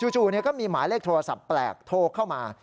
จู่ก็มีหมายเลขโทรศัพท์แปลกโทรเข้ามา